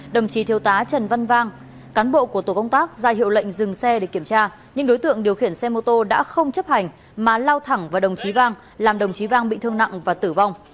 đồng chí thiếu tá trần văn vang cán bộ của tổ công tác ra hiệu lệnh dừng xe để kiểm tra nhưng đối tượng điều khiển xe mô tô đã không chấp hành mà lao thẳng vào đồng chí vang làm đồng chí vang bị thương nặng và tử vong